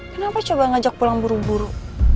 kenapa coba ngajak pulang buru buru